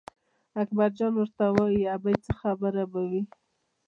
اکبرجان ورته وایي ابۍ څه خبره به وي.